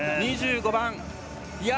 ２５番。